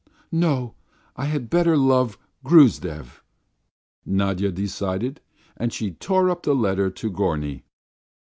"No, I had better love Gruzdev," Nadya decided, and she tore up the letter to Gorny.